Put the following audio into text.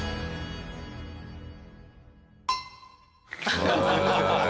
ハハハハ！